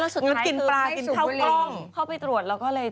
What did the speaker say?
แล้วสุดท้ายคือให้สูงผลิตกินปลากินเท่ากล้อง